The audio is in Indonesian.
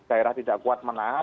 daerah tidak kuat menahan